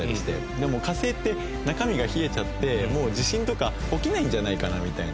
でも火星って中身が冷えちゃってもう地震とか起きないんじゃないかなみたいに。